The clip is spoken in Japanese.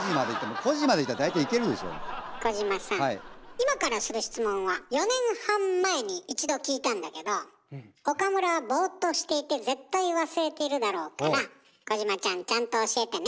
今からする質問は４年半前に一度聞いたんだけど岡村はボーっとしていて絶対忘れているだろうから児嶋ちゃんちゃんと教えてね。